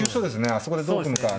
あそこでどう組むかがね。